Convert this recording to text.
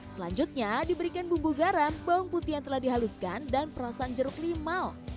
selanjutnya diberikan bumbu garam bawang putih yang telah dihaluskan dan perasan jeruk limau